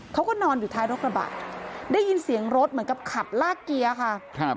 เขาก็นอนอยู่ท้ายรถกระบะได้ยินเสียงรถเหมือนกับขับลากเกียร์ค่ะครับ